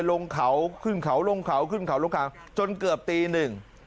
ลงเขาขึ้นเขาลงเขาขึ้นเขาลงคางจนเกือบตีหนึ่ง